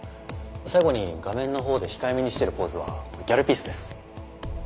最後に画面のほうで控えめにしてるポーズはギャルピースです。